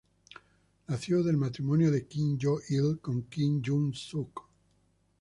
Nació del matrimonio de Kim Jong-il con Kim Young-sook.